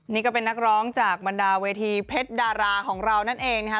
นี่ก็เป็นนักร้องจากบรรดาเวทีเพชรดาราของเรานั่นเองนะคะ